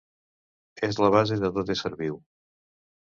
És la base de tot ésser viu.